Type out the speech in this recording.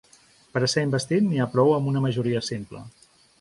Per a ser investit n’hi ha prou amb una majoria simple.